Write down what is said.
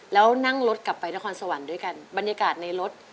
แล้วนั่งรถกลับไปนครสวรรค์ด้วยกันบรรยากาศในรถ